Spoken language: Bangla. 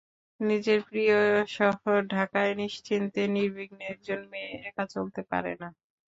নিজের প্রিয় শহর ঢাকায় নিশ্চিন্তে-নির্বিঘ্নে একজন মেয়ে একা চলতে পারে না।